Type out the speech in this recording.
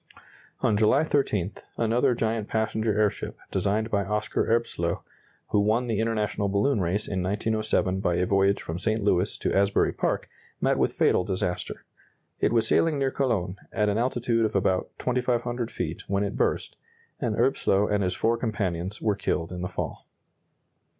On July 13, another giant passenger airship, designed by Oscar Erbslöh, who won the international balloon race in 1907 by a voyage from St. Louis to Asbury Park, met with fatal disaster. It was sailing near Cologne at an altitude of about 2,500 feet when it burst, and Erbslöh and his four companions were killed in the fall.